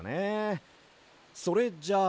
それじゃあ。